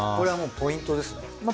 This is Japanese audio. ポイントですね。